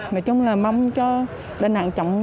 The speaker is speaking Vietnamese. nói chung là mong cho đà nẵng chọn